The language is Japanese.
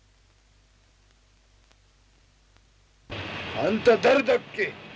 あんた誰だっけ？